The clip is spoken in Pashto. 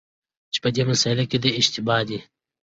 چي په دې مسأله کي دی اشتباه دی،